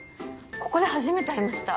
ここで初めて会いました。